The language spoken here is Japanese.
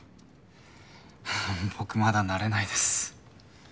僕まだ慣れないです。